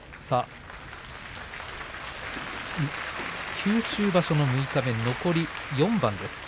九州場所の六日目、残り４番です。